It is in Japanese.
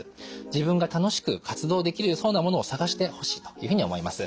自分が楽しく活動できそうなものを探してほしいというふうに思います。